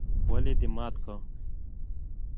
ولې دي مات که؟؟